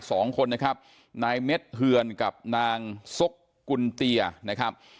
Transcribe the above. สองคนนะครับนายเม็ดเฮือนกับนางซกกุลเตียนะครับ